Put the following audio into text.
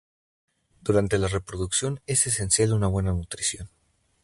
Durante la reproducción es esencial una buena nutrición.